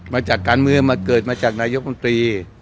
มาจากการเมืองมาเกิดมาจากนายกมนตรี